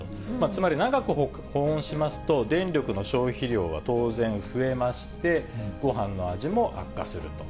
つまり長く保温しますと、電力の消費量は当然増えまして、ごはんの味も悪化すると。